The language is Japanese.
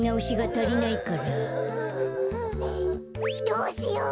どうしよう。